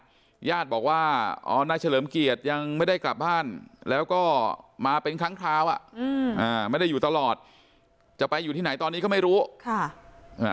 ญาติบอกว่าอ๋อนายเฉลิมเกียรติยังไม่ได้กลับบ้านแล้วก็มาเป็นครั้งคราวอ่ะอืมอ่าไม่ได้อยู่ตลอดจะไปอยู่ที่ไหนตอนนี้ก็ไม่รู้ค่ะอ่า